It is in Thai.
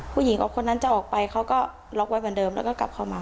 ผู้หญิงกับคนนั้นจะออกไปเขาก็ล็อกไว้เหมือนเดิมแล้วก็กลับเข้ามา